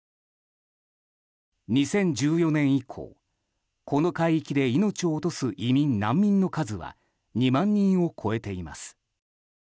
２０１４年以降この海域で命を落とす移民・難民の数は２万人を超えています。